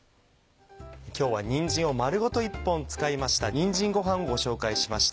今日はにんじんを丸ごと一本使いました「にんじんごはん」をご紹介しました。